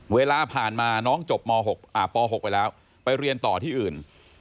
เวลาผ่านมาน้องจบป๖ไปแล้วไปเรียนต่อที่อื่น